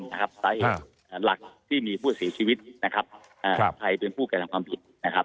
สาเหตุหลักที่มีผู้เสียชีวิตไทยเป็นผู้การทำความผิด